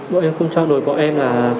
bọn em cũng cho đổi bọn em là